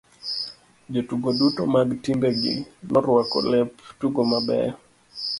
Jotugo duto mag timbe gi noruako lep tugo mabeyo.